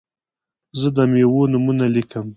زه د میوو نومونه لیکم.